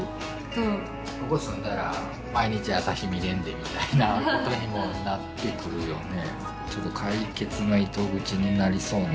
ここ住んだら毎日朝日見れんでみたいなことにもなってくるよね。